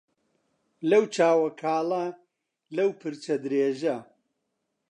لەو چاوە کاڵە لەو پرچە درێژە